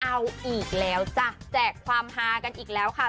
เอาอีกแล้วจ้ะแจกความฮากันอีกแล้วค่ะ